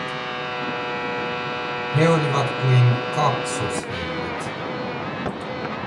He olivat kuin kaksosveljet.